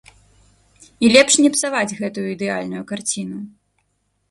І лепш не псаваць гэтую ідэальную карціну.